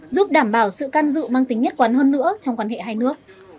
giúp đảm bảo sự can dự mang tính nhất quán hơn nữa trong quan hệ hai nước